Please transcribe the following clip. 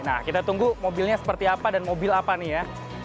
nah kita tunggu mobilnya seperti apa dan mobil apa nih ya